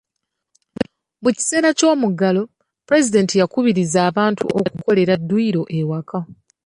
Mu kiseera ky'omuggalo, pulezidenti yakubiriza abantu okukolera dduyiro ewaka.